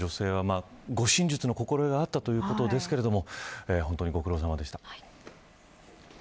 助けに入った女性は、護身術の心得があったということですけれど本当にご苦労さまでした。